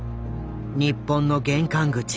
「日本の玄関口」